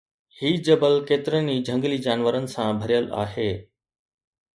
هي جبل ڪيترن ئي جهنگلي جانورن سان ڀريل آهي